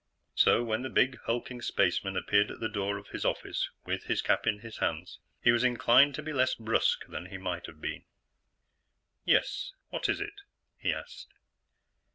So, when the big hulking spaceman appeared at the door of his office with his cap in his hands, he was inclined to be less brusque than he might have been. "Yes? What is it?" he asked.